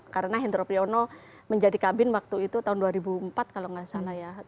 karena hendro priyono menjadi kabin waktu itu tahun dua ribu empat kalau nggak salah ya